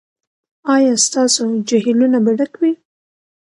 ایا ستاسو جهیلونه به ډک وي؟